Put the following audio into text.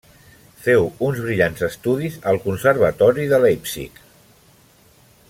Féu uns brillants estudis al Conservatori de Leipzig.